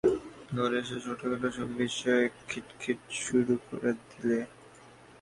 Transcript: ঘরে এসে ছোটোখাটো সব বিষয়ে খিটখিট শুরু করে দিলে।